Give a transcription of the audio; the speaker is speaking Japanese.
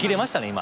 今。